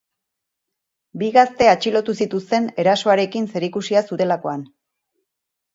Bi gazte atxilotu zituzten erasoarekin zerikusia zutelakoan.